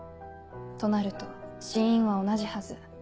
となると死因は同じはず。